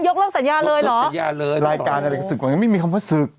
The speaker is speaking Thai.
เรื่องสัญญาเลยเหรอสัญญาเลยรายการอะไรศึกกว่ายังไม่มีคำว่าศึก